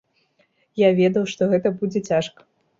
Я ведаў, што гэта будзе цяжка.